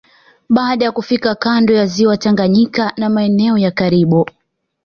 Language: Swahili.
Baada ya kufika kando ya ziwa Tanganyika na maeneo ya karibu